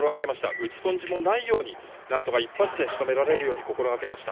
打ち損じもないようになんとか一発でしとめられるよう心がけました。